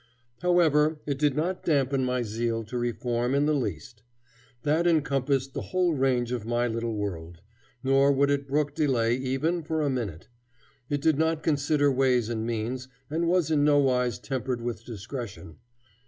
However, it did not dampen my zeal for reform in the least. That encompassed the whole range of my little world; nor would it brook delay even for a minute. It did not consider ways and means, and was in nowise tempered with discretion.